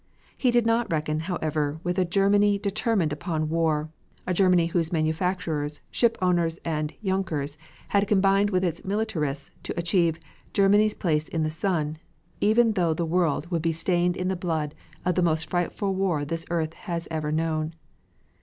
He did not reckon, however, with a Germany determined upon war, a Germany whose manufacturers, ship owners and Junkers had combined with its militarists to achieve "Germany's place in the sun" even though the world would be stained in the blood of the most frightful war this earth has ever known.